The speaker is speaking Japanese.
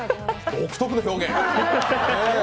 独特の表現。